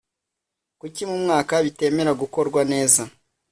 kuki mu mwaka bitemera gukorwa neza